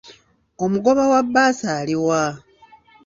Omugoba wa bbaasi ali wa?